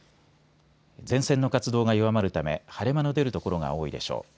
前線の活動が弱まるため晴れ間の出る所が多いでしょう。